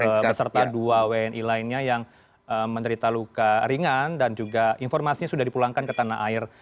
dan beserta dua wni lainnya yang menderita luka ringan dan juga informasinya sudah dipulangkan ke tanah air